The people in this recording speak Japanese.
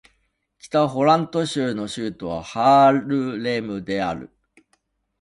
北ホラント州の州都はハールレムである